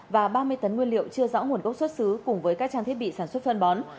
và ba mươi tấn nguyên liệu chưa rõ nguồn gốc xuất xứ cùng với các trang thiết bị sản xuất phân bó